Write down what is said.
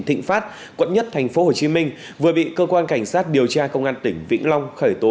thịnh pháp quận một tp hcm vừa bị cơ quan cảnh sát điều tra công an tỉnh vĩnh long khởi tố